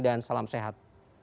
dan salam sehat